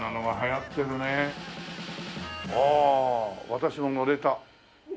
私も乗れた。